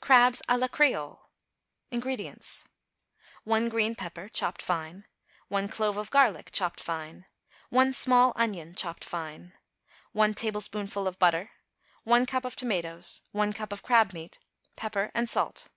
=Crabs à la Creole.= INGREDIENTS. 1 green pepper, chopped fine. 1 clove of garlic, chopped fine. 1 small onion, chopped fine. 1 tablespoonful of butter. 1 cup of tomatoes. 1 cup of crab meat. Pepper and salt.